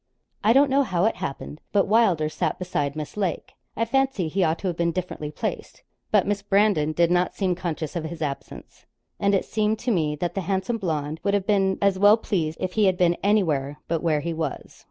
I don't know how it happened, but Wylder sat beside Miss Lake. I fancied he ought to have been differently placed, but Miss Brandon did not seem conscious of his absence, and it seemed to me that the handsome blonde would have been as well pleased if he had been anywhere but where he was.